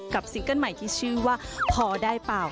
ซิงเกิ้ลใหม่ที่ชื่อว่าพอได้เปล่า